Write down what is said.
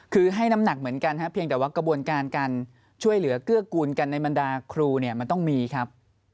คือให้น้ำหนักเหมือนกันครับเพียงแต่ว่ากระบวนการการช่วยเหลือเกื้อกูลกันในบรรดาครูเนี่ยมันต้องมีครับ